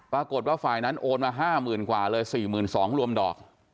ปรากฏว่าฝ่ายนั้นโอนมา๕๐๐๐กว่าเลย๔๒๐๐รวมดอก